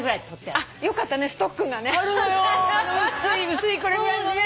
薄いこれぐらいのね。